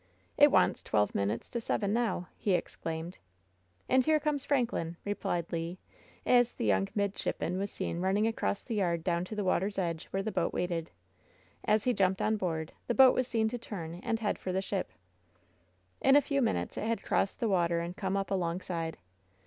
"It wants twelve minutes to seven now!'' he ex claimed. "And here comes Franklin!" replied Le, as the young midshipman was seen running across the yard down to the water's edge, where the boat waited. As he jumped on board, the boat was seen to turn and head for the ship. In a few minutes it had crossed the water and come up alongside.